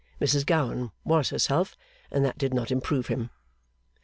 Mrs Gowan was herself, and that did not improve him.